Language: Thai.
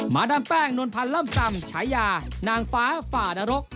มาดามแป้งนนทรรล่ำซำฉายานางฟ้าฝ่าดรก